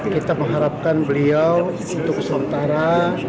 kita mengharapkan beliau untuk sementara